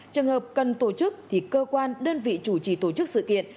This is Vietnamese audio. trường hợp cần tổ chức thì cơ quan đơn vị chủ trì tổ chức sự kiện